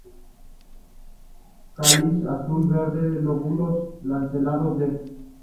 Cáliz azul-verde; lóbulos lanceolados, de.